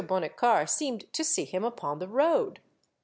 Bonnicar seemed to see him upon the road.